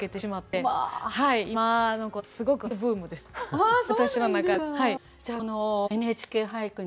今すごく俳句ブームです。